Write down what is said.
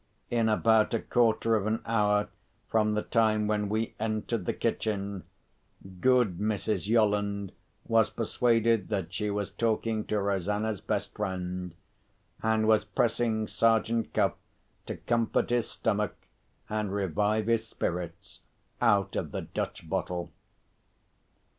In about a quarter of an hour from the time when we entered the kitchen, good Mrs. Yolland was persuaded that she was talking to Rosanna's best friend, and was pressing Sergeant Cuff to comfort his stomach and revive his spirits out of the Dutch bottle.